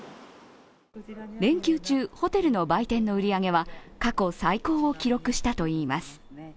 連休中、ホテルの売店の売り上げは過去最高を記録したといいます。